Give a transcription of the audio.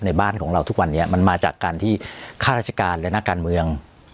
บ้านของเราทุกวันนี้มันมาจากการที่ข้าราชการและนักการเมือง